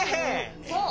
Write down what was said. そう。